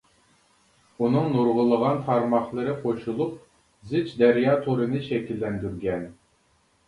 ئۇنىڭ نۇرغۇنلىغان تارماقلىرى قوشۇلۇپ زىچ دەريا تورىنى شەكىللەندۈرگەن.